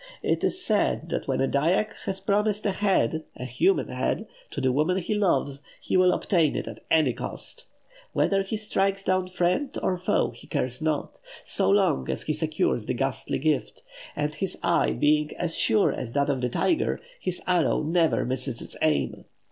It is said that when a Dyak has promised a head a human head to the woman he loves, he will obtain it at any cost. Whether he strikes down friend or foe he cares not, so long as he secures the ghastly gift; and his eye being as sure as that of the tiger, his arrow never misses its aim.